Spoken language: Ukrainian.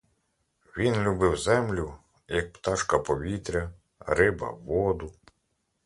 Він любив землю, як пташка повітря, риба — воду.